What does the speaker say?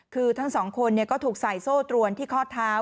คือทั้งสองคนก็ถูกใส่โซ่ตรวนที่ข้อเท้า